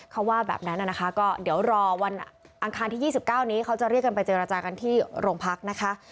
เขาว่าแบบนั้นนะคะก็เดี๋ยวรอวันอังคารที่๒๙นี้เขาจะเรียกกันไปเจรจากันที่โรงพักนะคะ